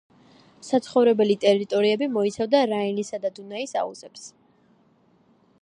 საცხოვრებელი ტერიტორიები მოიცავდა რაინის და დუნაის აუზებს.